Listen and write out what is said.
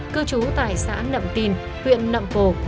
cư trú tại xã nậm tìn huyện nậm pồ